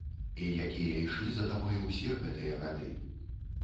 І якія ішлі за табой усе гэтыя гады.